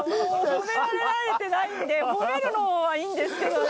褒められ慣れてないんで褒めるのはいいんですけどね